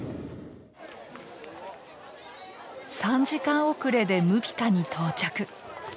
３時間遅れでムピカに到着。